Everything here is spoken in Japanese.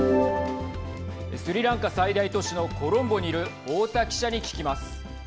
スリランカ最大都市のコロンボにいる太田記者に聞きます。